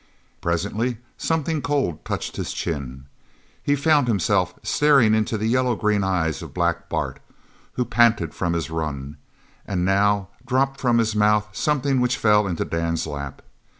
Presently something cold touched his chin. He found himself staring into the yellow green eyes of Black Bart, who panted from his run, and now dropped from his mouth something which fell into Dan's lap.